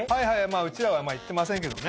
うちらは行ってませんけどね。